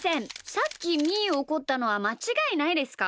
さっきみーをおこったのはまちがいないですか？